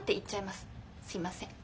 すいません。